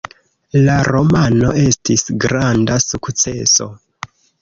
La romano estis granda sukceso.